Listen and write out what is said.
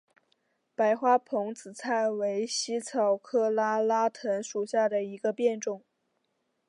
白花蓬子菜为茜草科拉拉藤属下的一个变种。